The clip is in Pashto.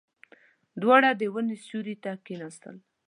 دواړه د ونې سيوري ته کېناستل.